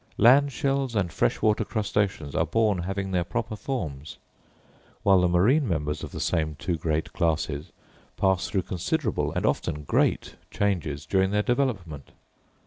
Land shells and fresh water crustaceans are born having their proper forms, while the marine members of the same two great classes pass through considerable and often great changes during their development.